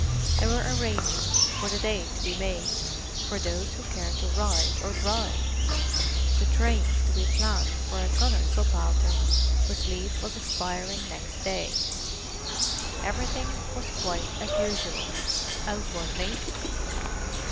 There were arrangements for the day to be made for those who cared to ride or drive: the trains to be planned for a gunner subaltern whose leave was expiring next day. Everything was quite as usual, outwardly.